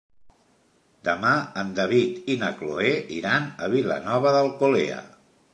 Demà en David i na Cloè iran a Vilanova d'Alcolea.